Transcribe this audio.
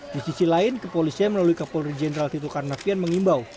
di sisi lain kepolisian melalui kapolri jenderal tito karnavian mengimbau